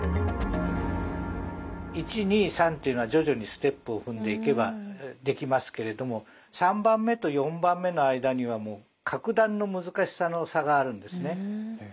１２３というのは徐々にステップを踏んでいけばできますけれども３番目と４番目の間にはもう格段の難しさの差があるんですね。